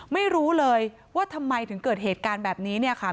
ไม่รู้เลยว่าทำไมถึงเกิดเหตุการณ์แบบนี้เนี่ยค่ะ